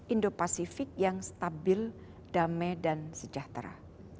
indo pasifik yang stabil damai dan sejahtera